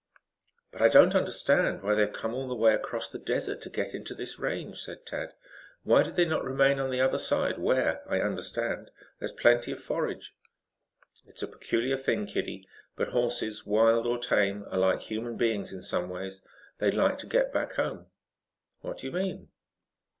"But I don't understand why they have come all the way across the desert to get into this range?" said Tad. "Why did they not remain on the other side where, I understand, there is plenty of forage?" "It's a peculiar thing, kiddie, but hosses, wild or tame are like human beings in some ways. They like to get back home." "What do you mean?"